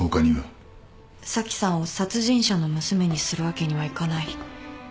紗季さんを殺人者の娘にするわけにはいかない。